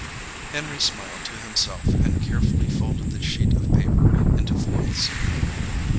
Henry smiled to himself and carefully folded the sheet of paper into fourths.